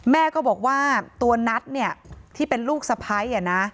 แม่ก็บอกว่าตัวนัทเนี่ยที่เป็นลูกสะพ้าย